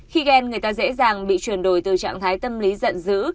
khi ghen người ta dễ dàng bị chuyển đổi từ trạng thái tâm lý giận dữ